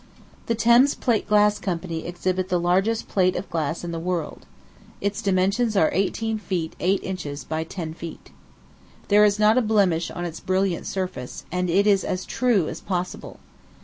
The Thames Plate Glass Company exhibit the largest plate of glass in the world; its dimensions are eighteen feet eight inches by ten feet. There is not a blemish on its brilliant surface, and it is as "true" as possible.